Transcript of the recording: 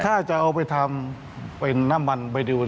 ถ้าจะเอาไปทำเป็นน้ำมัน